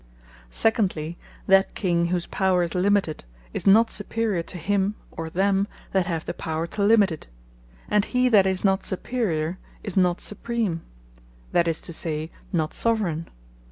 Secondly, that King whose power is limited, is not superiour to him, or them that have the power to limit it; and he that is not superiour, is not supreme; that is to say not Soveraign.